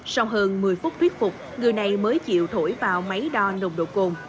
sau hơn một mươi phút thuyết phục người này mới chịu thổi vào máy đo nồng độ cồn